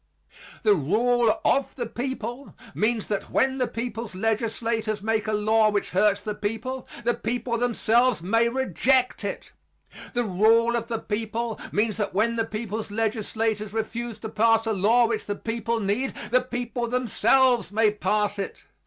The rule of the people means that when the people's legislators make a law which hurts the people, the people themselves may reject it. The rule of the people means that when the people's legislators refuse to pass a law which the people need, the people themselves may pass it.